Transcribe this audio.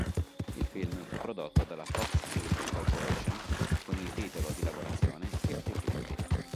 Il film fu prodotto dalla Fox Film Corporation con il titolo di lavorazione "Fifty-fifty".